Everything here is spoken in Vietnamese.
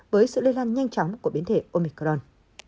với sự lây lan nhanh chóng của biến thể omicron